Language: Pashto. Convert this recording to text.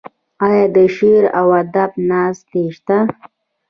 آیا د شعر او ادب ناستې شته؟